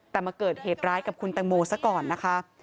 แต่มาเกิดเหตุร้ายกับคุณแตงโมซะก่อนนะคะ